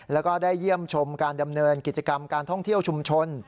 แล้วก็ได้เยี่ยมชมการดำเนินกิจกรรมการท่องเที่ยวชุมชน